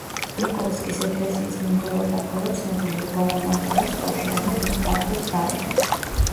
ნიკოლსკის ეკლესიის მომღერალთა ქორო ცნობილი იყო არამარტო როსტოვში, არამედ მის ფარგლებს გარეთაც.